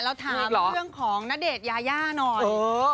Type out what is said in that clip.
เราถามเรื่องของณเดชน์ยายาหน่อย